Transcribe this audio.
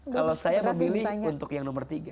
kalau saya memilih untuk yang nomor tiga